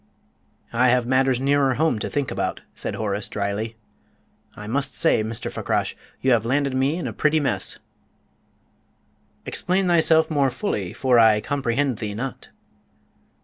"I have matters nearer home to think about," said Horace, dryly. "I must say, Mr. Fakrash, you have landed me in a pretty mess!" "Explain thyself more fully, for I comprehend thee not."